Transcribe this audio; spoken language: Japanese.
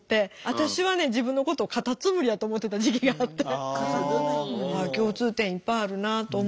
私はね自分のことをカタツムリやと思ってた時期があって共通点いっぱいあるなと思ったんですけど。